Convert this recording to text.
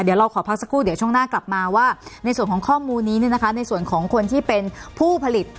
เดี๋ยวเราขอพักสักครู่เดี๋ยวช่วงหน้ากลับมาว่าในส่วนของข้อมูลนี้ในส่วนของคนที่เป็นผู้ผลิต